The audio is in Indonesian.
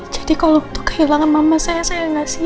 jadi kalau untuk kehilangan mama saya saya gak siap untuk saat ini jess